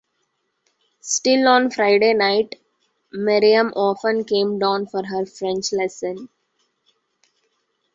Still on Friday night Miriam often came down for her French lesson.